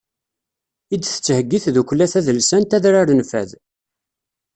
I d-tettheyyi tdukkla tadelsant adrar n fad.